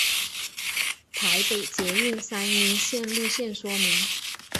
台北捷运三莺线路线说明